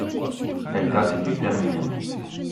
Elle date du Permien.